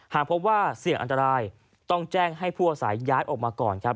หากพบว่าเสี่ยงอันตรายต้องแจ้งให้ผู้อาศัยย้ายออกมาก่อนครับ